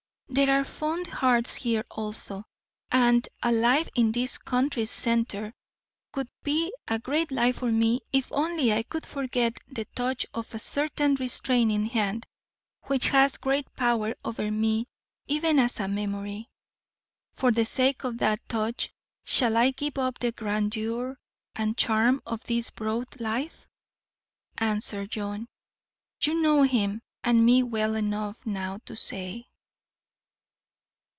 There are fond hearts here also, and a life in this country's centre would be a great life for me if only I could forget the touch of a certain restraining hand which has great power over me even as a memory. For the sake of that touch shall I give up the grandeur and charm of this broad life? Answer, John. You know him and me well enough now to say.